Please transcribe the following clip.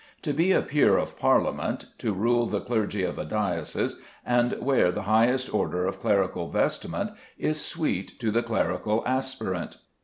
To be a Peer of Parliament, to rule the clergy of a diocese, and wear the highest order of clerical vestment, is sweet to the clerical aspirant.